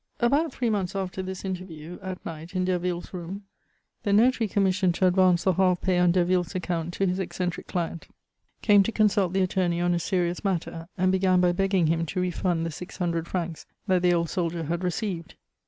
About three months after this interview, at night, in Derville's room, the notary commissioned to advance the half pay on Derville's account to his eccentric client, came to consult the attorney on a serious matter, and began by begging him to refund the six hundred francs that the old soldier had received.